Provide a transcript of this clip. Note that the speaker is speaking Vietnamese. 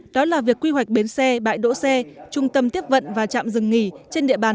đó là việc quy hoạch bến xe bãi đỗ xe trung tâm tiếp vận và trạm dừng nghỉ trên địa bàn